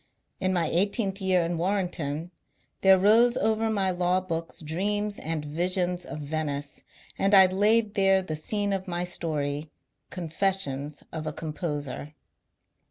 In my eigh teenth year in Warrenton there rose over my law books dreams and visions of Venice, and I laid there t^e scene of my story, '^ Confessions of a Composer.'